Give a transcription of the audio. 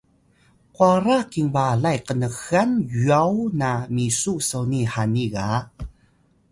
kwara kinbalay knxan yuwaw na misu soni hani ga